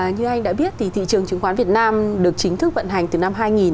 như anh đã biết thì thị trường chứng khoán việt nam được chính thức vận hành từ năm hai nghìn